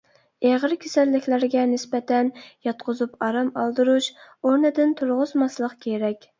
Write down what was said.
ئېغىر كېسەللىكلەرگە نىسبەتەن ياتقۇزۇپ ئارام ئالدۇرۇش، ئورنىدىن تۇرغۇزماسلىق كېرەك.